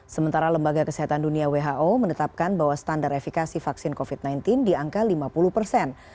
sementara lembaga kesehatan dunia who menetapkan bahwa standar efekasi vaksin covid sembilan belas di angka lima puluh persen